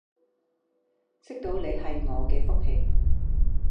識到你係我嘅福氣